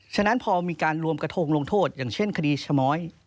ฉะนั้นพอมีการรวมกระทงลงโทษอย่างเช่นคดีชะม้อย